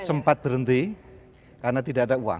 sempat berhenti karena tidak ada uang